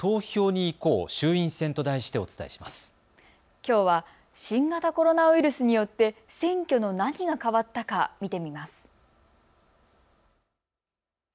きょうは新型コロナウイルスによって選挙の何が変わったか見てみます。